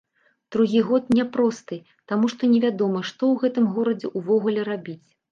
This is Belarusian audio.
Другі год няпросты, таму што невядома, што ў гэтым горадзе ўвогуле рабіць.